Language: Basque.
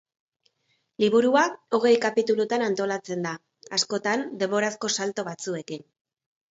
Liburua hogei kapitulutan antolatzen da, askotan, denborazko salto batzuekin.